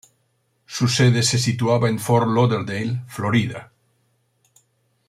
Su sede se situaba en Fort Lauderdale, Florida.